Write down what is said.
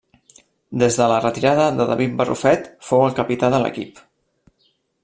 Des de la retirada de David Barrufet fou el capità de l'equip.